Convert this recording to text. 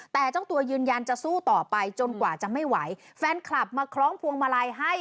แต่เจ้าตัวยืนยันจะสู้ต่อไปจนกว่าจะไม่ไหวแฟนคลับมาคล้องพวงมาลัยให้